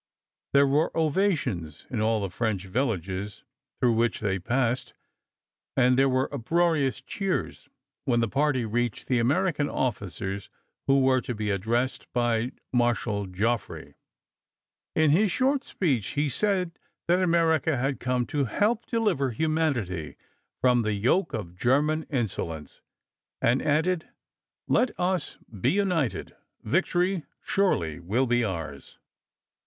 There were ovations in all the French villages through which they passed, and there were uproarious cheers when the party reached the American officers who were to be addressed by Marshal Joffre. In his short speech he said that America had come to help deliver humanity from the yoke of German insolence, and added: "Let us be united. Victory surely will be ours."